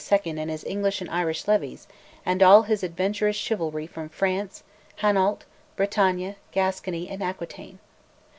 and his English and Irish levies, and all his adventurous chivalry from France, Hainault, Bretagne, Gascony, and Aquitaine.